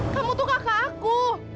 kamu tuh kakak aku